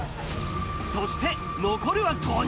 そして、残るは５人。